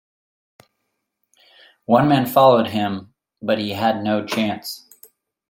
One man followed him, but he had no chance.